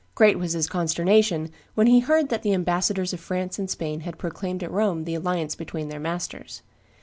Great was his consternation when he heard that the ambassadors of France and Spain had proclaimed at Rome the alliance between their masters.